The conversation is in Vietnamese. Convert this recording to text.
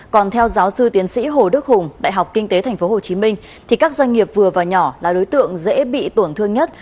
còn theo giáo sư tiến sĩ hồ đức hùng đại học kinh tế tp hcm thì các doanh nghiệp vừa và nhỏ là đối tượng dễ bị tổn thương nhất